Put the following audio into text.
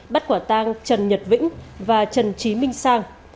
bắt quả tang trần nhật vĩnh và trần trí minh sang